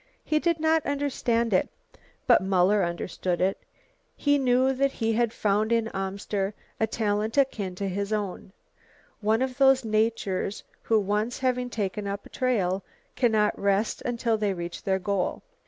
He did not understand it, but Muller understood it. He knew that he had found in Amster a talent akin to his own, one of those natures who once having taken up a trail cannot rest until they reach their goal.